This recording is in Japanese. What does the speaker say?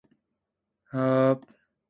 乾麺でボートを作った経験は？そうか。上出来だ。